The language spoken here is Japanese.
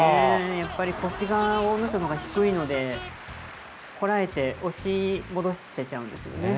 やっぱり、腰が阿武咲のほうが低いので、こらえて、押し戻せちゃうんですよね。